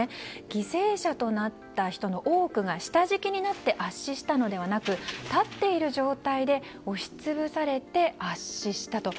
犠牲者となった人の多くが下敷きになって圧死したのではなく立っている状態で押し潰されて圧死したと。